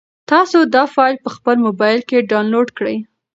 تاسو دا فایل په خپل موبایل کې ډاونلوډ کړئ.